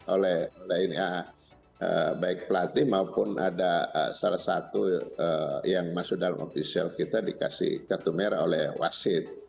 oleh baik pelatih maupun ada salah satu yang masuk dalam official kita dikasih kartu merah oleh wasit